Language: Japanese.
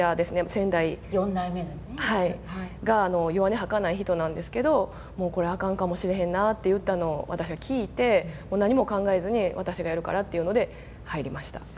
先代４代目が弱音を吐かない人なんですけれどもあかんかもしれへんなというのを聞いて何も考えずに私がやるからというので、入りました。